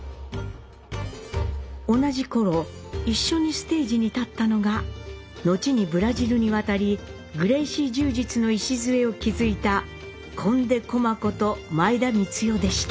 同じ頃一緒にステージに立ったのが後にブラジルに渡りグレイシー柔術の礎を築いたコンデ・コマこと前田光世でした。